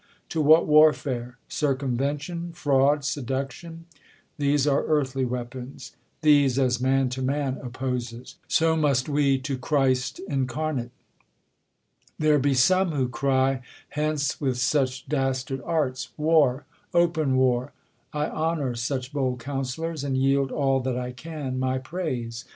to what warfare ? Circumvention, fraud, Seduction ; these arc earthly weapons ; these As man to man opposes, so must we To Christ incarnate. There be some, who cry, S Henjf ^08 THE COi; UMBlAN ORATOR. Ileucc ^\ ith snc^li dastard arts ! War, open war! I honor such bold counsellors, and yield All that I can, my praise.